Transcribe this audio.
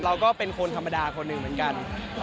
เราก็เป็นคนธรรมดาคนหนึ่งเหมือนกัน